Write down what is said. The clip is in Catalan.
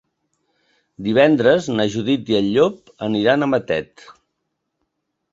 Divendres na Judit i en Llop aniran a Matet.